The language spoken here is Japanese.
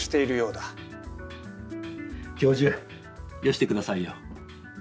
教授よしてくださいよ。